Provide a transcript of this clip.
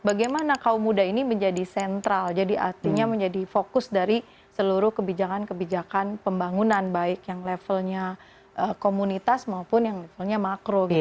bagaimana kaum muda ini menjadi sentral jadi artinya menjadi fokus dari seluruh kebijakan kebijakan pembangunan baik yang levelnya komunitas maupun yang levelnya makro gitu